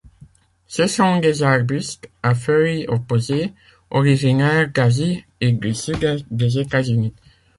Ce sont des arbustes, à feuilles opposées, originaires d'Asie et du sud-est des États-Unis.